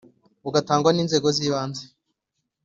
bugatangwa n’inzego z’ibanze